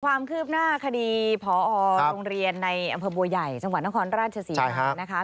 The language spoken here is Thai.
ความคืบหน้าคดีพรโรงเรียนในอัมเภาบัวใหญ่จนรสิมา